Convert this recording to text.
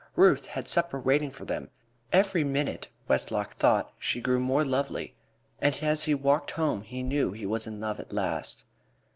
Ruth had supper waiting for them. Every minute Westlock thought she grew more lovely, and as he walked home he knew he was in love at last.